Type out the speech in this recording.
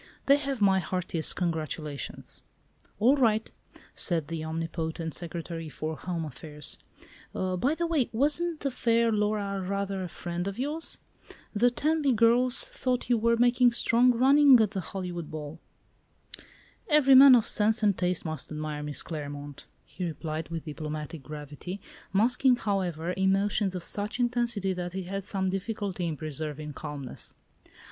"They have my heartiest congratulations." "All right," said the omnipotent Secretary for Home Affairs; "by the way, wasn't the fair Laura rather a friend of yours? The Tenby girls thought you were making strong running at the Hollywood Ball." "Every man of sense and taste must admire Miss Claremont," he replied with diplomatic gravity, masking, however, emotions of such intensity that he had some difficulty in preserving calmness.